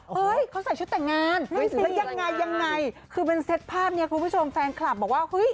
เฮ้ยเขาใส่ชุดแต่งงานแล้วยังไงคือเป็นเซตภาพเนี่ยคุณผู้ชมแฟนคลับบอกว่า